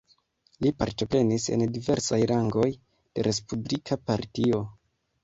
Li partoprenis en diversaj rangoj de Respublika Partio.